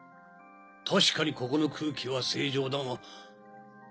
確かにここの空気は清浄だが。